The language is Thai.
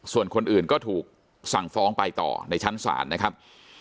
ส่วนคนอื่นก็ถูกสั่งฟ้องไปต่อในชั้นศาลนะครับ